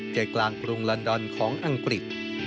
ใจกลางกรุงลอนดอนของอังกฤษ